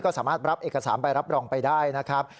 ก็สามารถรับเอกสารใบรับรองไปได้นะครับ